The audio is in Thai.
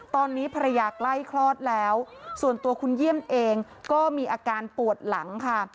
ตอนนี้ภรรยาใกล้คลอดแล้วส่วนตัวคุณเยี่ยมเองก็มีอาการปวดหลังค่ะ